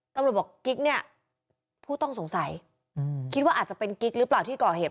ตำรวจบอกกิ๊กเนี่ยผู้ต้องสงสัยคิดว่าอาจจะเป็นกิ๊กหรือเปล่าที่ก่อเหตุ